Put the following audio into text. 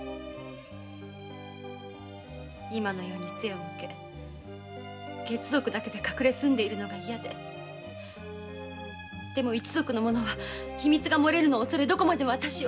今の世に背を向け血族だけで隠れ住んでいるのが嫌ででも一族の者は秘密の漏れるのを恐れどこまでも私を。